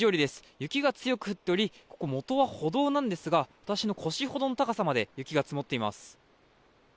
雪が強く降っておりもとは歩道なんですが私の腰ほどの高さまで雪が積もっています。